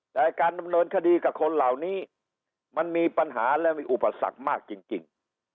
แต่การดำเนินคดีกับคนเหล่านี้มันมีปัญหาและมีอุปสรรคมากจริง